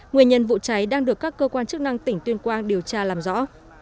nguyên nhân vụ cháy đang được các cơ quan chức năng tỉnh tuyên quang điều tra làm rõ